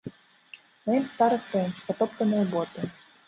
На ім стары фрэнч, патоптаныя боты.